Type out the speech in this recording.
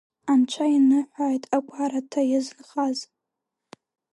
Анцәа иныҳәааит агәараҭа иазынхаз!